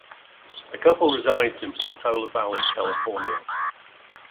The couple resides in Portola Valley, California.